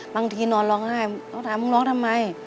บางทีนอนร้องไห้ตอนนั้นแม่ขอถามมึงร้องทำไม